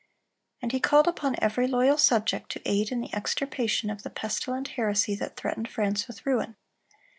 And he called upon every loyal subject to aid in the extirpation of the pestilent heresy that threatened France with ruin.